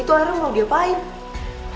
itu orang orang mau diapain